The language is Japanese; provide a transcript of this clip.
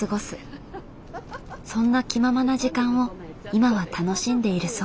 そんな気ままな時間を今は楽しんでいるそう。